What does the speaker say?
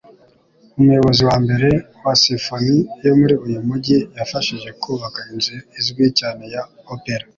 umuyobozi wa mbere wa Symphony yo muri uyu mujyi, yafashije kubaka inzu izwi cyane ya Opera